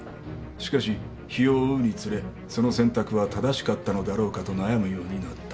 「しかし日を追うにつれその選択は正しかったのだろうかと悩むようになった」